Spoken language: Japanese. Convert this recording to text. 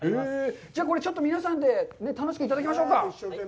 じゃあこれ、ちょっと皆さんで楽しくいただきましょうか。